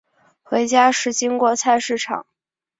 回家时经过菜市场